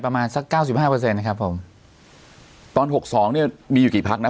ประมาณสักเก้าสิบห้าเปอร์เซ็นต์นะครับผมตอนหกสองเนี่ยมีอยู่กี่พักนะ